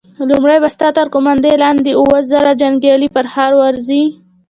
لومړی به ستا تر قوماندې لاندې اووه زره جنيګالي پر ښار ورځي!